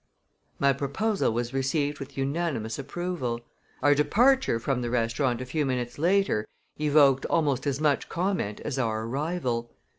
My proposal was received with unanimous approval. Our departure from the restaurant a few minutes later evoked almost as much comment as our arrival.